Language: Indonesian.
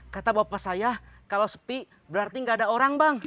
kata bapak saya kalau sepi berarti gak ada orang bang